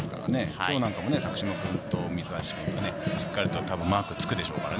今日も多久島君と三橋君がしっかりとマークつくでしょうからね。